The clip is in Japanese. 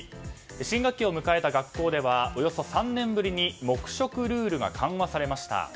新学期を迎えた学校ではおよそ３年ぶりに黙食ルールが緩和されました。